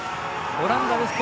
オランダです。